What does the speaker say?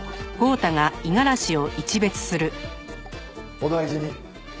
お大事に。